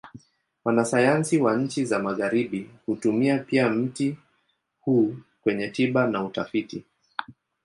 Wanasayansi wa nchi za Magharibi hutumia pia mti huu kwenye tiba na utafiti.